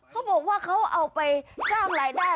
เขาบอกว่าเขาเอาไปสร้างรายได้